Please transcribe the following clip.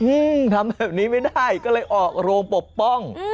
อืมทำแบบนี้ไม่ได้ก็เลยออกโรงปกป้อง